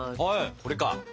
これか。